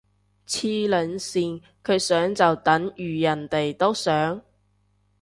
黐撚線，佢想就等如人哋都想？